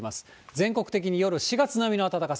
全国的に夜、４月並みの暖かさ。